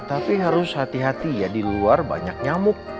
tapi harus hati hati ya di luar banyak nyamuk